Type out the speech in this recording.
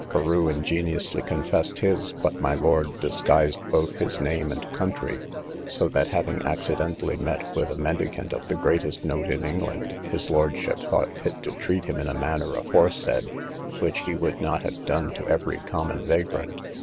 Carew ingeniously confessed his, but my lord disguised both his name and country; so that having accidentally met with a mendicant of the greatest note in England, his lordship thought fit to treat him in the manner aforesaid, which he would not have done to every common vagrant.